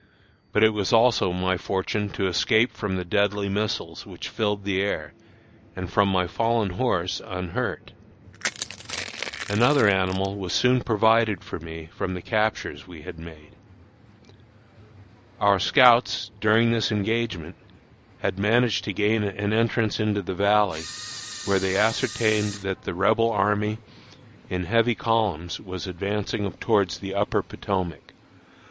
But it was also my fortune to escape from the deadly missiles which filled the air, and from my fallen horse, unhurt. Another animal was soon provided for me from the captures we had made. Our scouts, during this engagement, had managed to gain an entrance into the Valley, where they ascertained that the Rebel army, in heavy columns, was advancing towards the Upper Potomac.